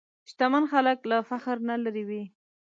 شتمن خلک له فخر نه لېرې وي.